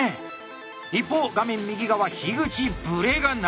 一方画面右側口ブレがない。